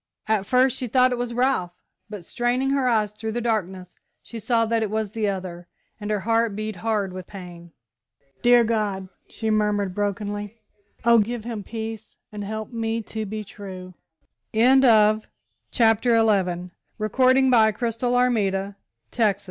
At first she thought it was Ralph, but, straining her eyes through the darkness, she saw that it was the other, and her heart beat hard with pain. "Dear God," she murmured brokenly, "oh, give him peace, and help me to be true!" CHAPTER XII IN THE NORTH WOODS "Come on, Doc," said Ronald. "Where?"